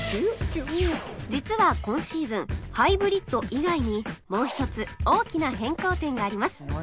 実は今シーズンハイブリッド以外にもう一つ大きな変更点があります